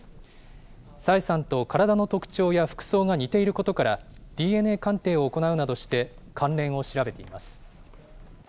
朝芽さんと体の特徴や服装が似ていることから、ＤＮＡ鑑定を行うなどして、関連を調べています。